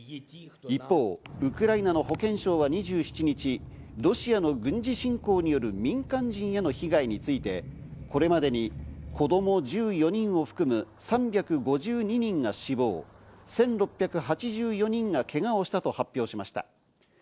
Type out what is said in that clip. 一方、ウクライナの保健省は２７日ロシアの軍事侵攻による民間人への被害についてこれまでに子供１４人を含む３５２人が死亡、１６８４人がけがをしたと発表しました。